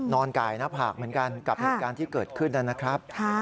กายหน้าผากเหมือนกันกับเหตุการณ์ที่เกิดขึ้นนะครับ